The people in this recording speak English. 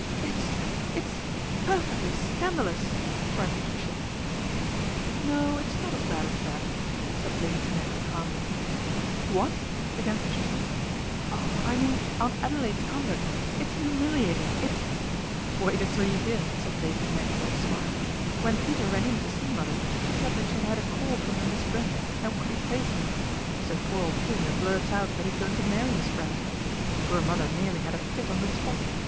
" It's it's perfectly scandalous !" cried Patricia. " No, it's not as bad as that," said Lady Tanagra calmly "What?" began Patricia. "Oh! I mean 178 PATRICIA BRENT, SPINSTER Aunt Adelaide's conduct, it's humiliating, it's "" Wait until you hear," said Lady Tanagra with a smile. " When Peter ran in to see mother, she said that she had had a call from a Miss Brent and could he place her. So poor old Peter blurts out that he's going to marry Miss Brent. Poor mother nearly had a fit on the spot.